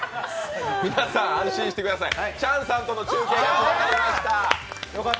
皆さん、安心してください、チャンさんとの中継がつながりました。